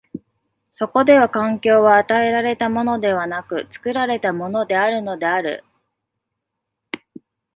そこでは環境は与えられたものでなく、作られたものであるのである。